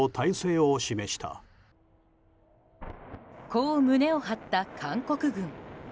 こう胸を張った韓国軍。